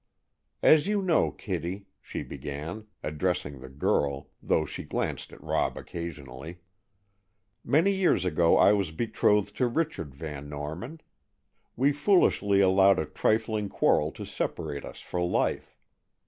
"As you know, Kitty," she began, addressing the girl, though she glanced at Rob occasionally, "many years ago I was betrothed to Richard Van Norman. We foolishly allowed a trifling quarrel to separate us for life.